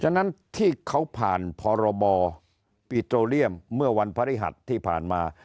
ฉะนั้นที่เขาผ่านพรบปิโตเรียมเมื่อวันพฤหัสที่ผ่านมา